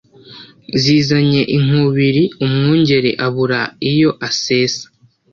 Zizanye inkubiri Umwungeri abura iyo asesa